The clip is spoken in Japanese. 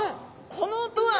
この音は！